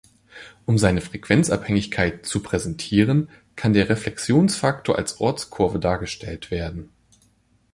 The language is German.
Um seine Frequenzabhängigkeit „zu präsentieren“, kann der Reflexionsfaktor als Ortskurve dargestellt werden.